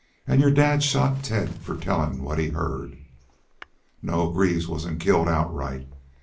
An' your dad shot Ted fer tellin' what he heerd.... No, Greaves wasn't killed outright.